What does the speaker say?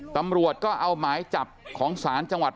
ตำรวจก็เอาหมายจับของศาลจังหวัด